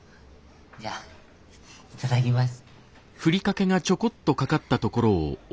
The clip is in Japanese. じゃあいただきます。